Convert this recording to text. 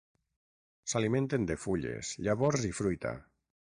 S'alimenten de fulles, llavors i fruita.